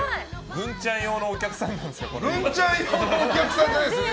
グンちゃん用のお客さんじゃないですよ。